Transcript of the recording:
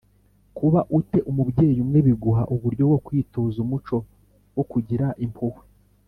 Kuba u te umubyeyi umwe biguha uburyo bwo kwitoza umuco wo kugira impuhwe